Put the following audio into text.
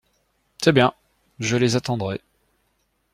C’est bien ; je les attendrai…